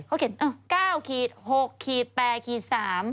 เขาเขียน๙๖๘ขีด๓